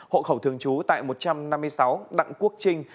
hộ khẩu thường trú tại một trăm năm mươi sáu đặng quốc trinh